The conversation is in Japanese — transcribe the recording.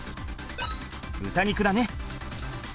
豚肉だね。